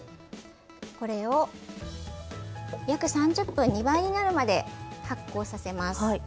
これを約３０分、２倍になるまで発酵させます。